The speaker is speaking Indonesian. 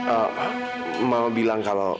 ah mama bilang kalau